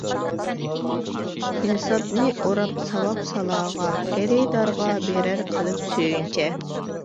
ئىنسابىنى ئوراپ ساۋاپ سالاغا، خېرىدارغا بېرەر قىلىپ سۆيۈنچە.